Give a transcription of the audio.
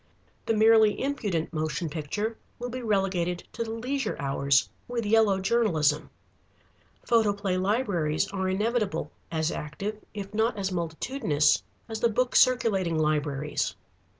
The merely impudent motion picture will be relegated to the leisure hours with yellow journalism. Photoplay libraries are inevitable, as active if not as multitudinous as the book circulating libraries.